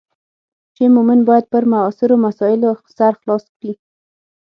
چې مومن باید پر معاصرو مسایلو سر خلاص کړي.